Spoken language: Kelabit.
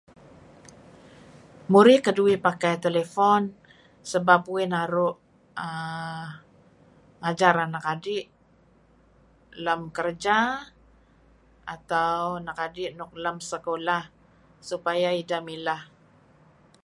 Muih keduih pakai telephone kdi' uih naru' uhm ngajar anak adi' lem kerja atau anak adi' lam sekolah supaya iah mileh.